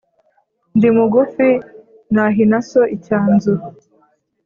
Ndimugufi nahinaso Icyanzu